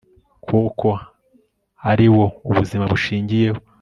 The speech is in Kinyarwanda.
kuko ari wo ubuzima bushingiyeho